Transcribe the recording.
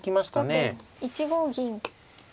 後手１五銀。